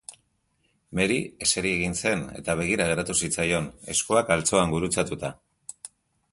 Mary eseri egin zen eta begira geratu zitzaion, eskuak altzoan gurutzatuta.